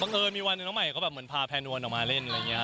เอิญมีวันหนึ่งน้องใหม่ก็แบบเหมือนพาแนนวลออกมาเล่นอะไรอย่างนี้